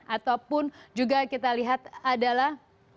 ataupun juga kita lihat adalah